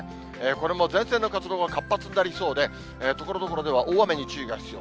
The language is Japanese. これも前線の活動が活発になりそうで、ところどころでは大雨に注意が必要。